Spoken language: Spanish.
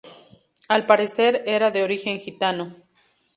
Al parecer, era de origen gitano.